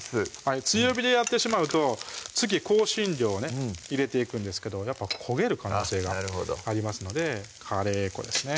強火でやってしまうと次香辛料を入れていくんですけどやっぱ焦げる可能性がありますのでカレー粉ですね